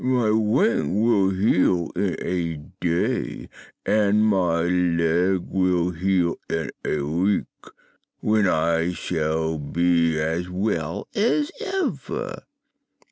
My wing will heal in a day and my leg will heal in a week, when I shall be as well as ever.